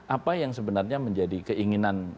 apa yang sebenarnya menjadi keinginan